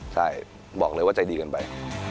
ใช่บอกเลยว่าใจดีเกินไป